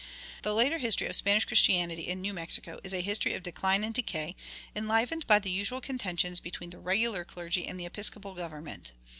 The later history of Spanish Christianity in New Mexico is a history of decline and decay, enlivened by the usual contentions between the "regular" clergy and the episcopal government.